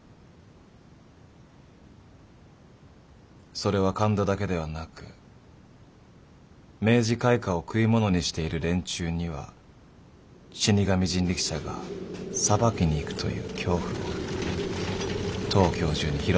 それは神田だけではなく明治開化を食い物にしている連中には死神人力車が裁きに行くという恐怖を東京中に広めるためですね？